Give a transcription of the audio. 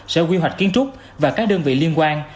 sở quy hoạch kiến trúc và các đơn vị liên quan